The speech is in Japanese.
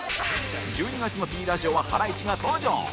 １２月の Ｐ ラジオはハライチが登場